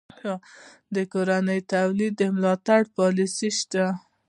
د کورني تولید ملاتړ پالیسي شته؟